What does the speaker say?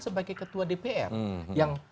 sebagai ketua dpr yang